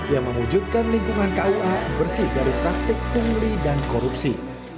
yang mewujudkan lingkungan kua bersih dari praktik pungli dan korupsi